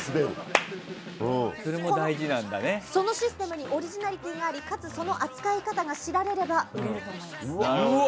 そのシステムにオリジナリティーがありかつ、その扱い方が知られれば売れると思います。